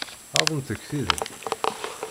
Ɣaḍent-k tidak?